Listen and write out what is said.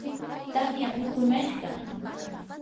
tamyam uqumashqa.